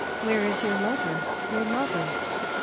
Where is your lover your lover?"